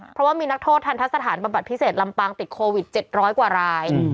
เพราะว่ามีนักโทษทันทะสถานบำบัดพิเศษลำปางติดโควิด๗๐๐กว่าราย